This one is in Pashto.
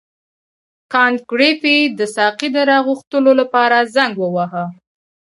کانت ګریفي د ساقي د راغوښتلو لپاره زنګ وواهه.